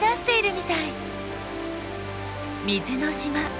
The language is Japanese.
「水の島」